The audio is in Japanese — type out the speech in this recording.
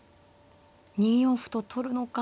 ２四歩と取るのか